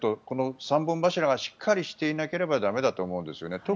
この三本柱がしっかりしてないと駄目だと思うんですね。